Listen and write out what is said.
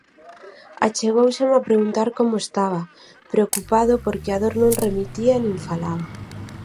Achegóuseme a preguntar como estaba, preocupado porque a dor non remitía e nin falaba.